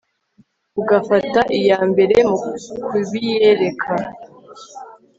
bugafata iya mbere mu kubiyereka